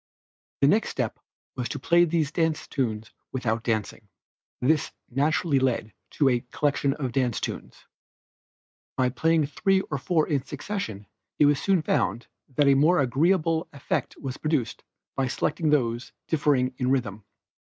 The next step was to play these dance tunes without dancing. This naturally led to a collection of dance tunes. By playing three or four in succession it was soon found that a more agreeable effect was produced by selecting those differing in rhythm.